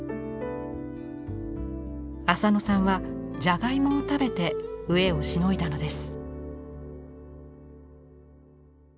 浅野さんはじゃがいもを食べて飢えをしのいだのです。